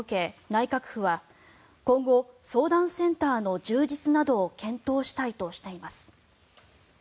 内閣府は今後、相談センターの充実などを検討したいとしています。